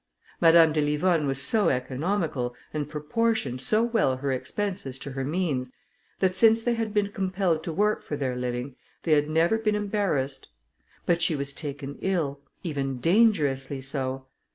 Madame de Livonne was so economical, and proportioned so well her expenses to her means, that since they had been compelled to work for their living, they had never been embarrassed. But she was taken ill, even dangerously so.